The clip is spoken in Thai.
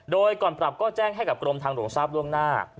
โดยก่อนปรับก็แจ้งให้กับกรมทางหลวงทราบล่วงหน้า